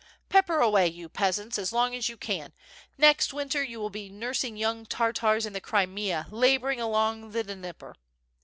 Pepper away, you peasants, as long as you can; next winter you will be nursing young Tartars in the Crimea laboring along the Dnieper.